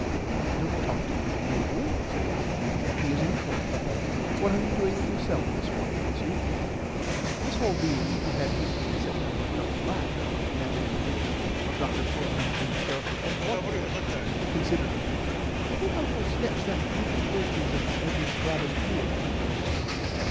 "Don't talk to him, Mabel," said Mrs. Hanshaw; "he is incorrigible. What are you doing with yourself this morning, Lucy?" Miss Haldean (who had hastily set down her cup to laugh at my imaginary picture of Dr. Thorndyke in the character of a quadruped) considered a moment. "I think I shall sketch that group of birches at the edge of Bradham Wood," she said.